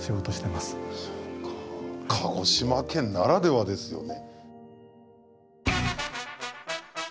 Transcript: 鹿児島県ならではですよね。